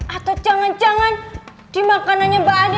atau jangan jangan di makanannya mbak adi